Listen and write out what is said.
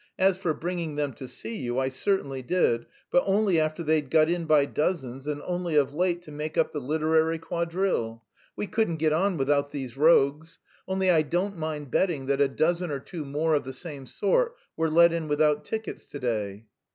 As for bringing them to see you, I certainly did, but only after they'd got in by dozens and only of late to make up 'the literary quadrille' we couldn't get on without these rogues. Only I don't mind betting that a dozen or two more of the same sort were let in without tickets to day."